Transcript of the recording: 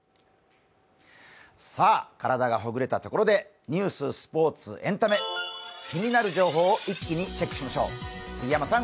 さあ、体がほぐれたところでニュース、スポーツ、エンタメ、気になる情報を一気にチェックしましょう。